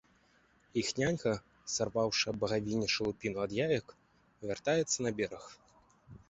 Іх нянька, сарваўшы аб багавінне шалупіну ад яек, вяртаецца на бераг.